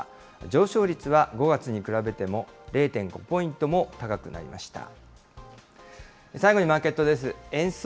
上昇率は５月に比べても０．５ポイントも高くなりました。